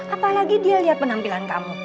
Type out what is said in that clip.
apalagi dia lihat penampilan kamu